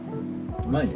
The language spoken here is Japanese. うまいね。